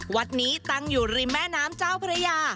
วัดนี้ตั้งอยู่ริมแม่น้ำเจ้าพระยา